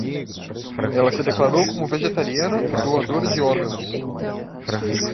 Ela se declarou como vegetariana e doadora de órgãos